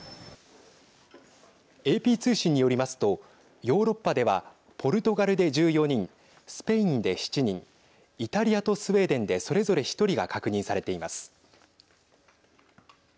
ＡＰ通信によりますとヨーロッパではポルトガルで１４人スペインで７人イタリアとスウェーデンでそれぞれ１人が確認されています。